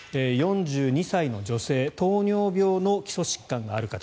４２歳の女性糖尿病の基礎疾患がある方。